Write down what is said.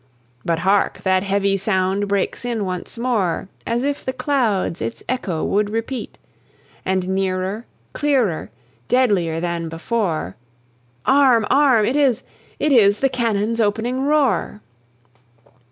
But hark! that heavy sound breaks in once more, As if the clouds its echo would repeat; And nearer, clearer, deadlier, than before! Arm! arm! it is it is the cannon's opening roar!